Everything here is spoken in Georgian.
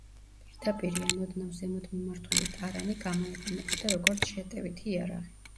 პირდაპირი ან ოდნავ ზემოთ მიმართული ტარანი გამოიყენებოდა, როგორც შეტევითი იარაღი.